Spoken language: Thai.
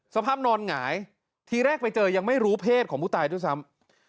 สภาพนอนหงายทีแรกไปเจอยังไม่รู้เพศของผู้ตายด้วยซ้ำ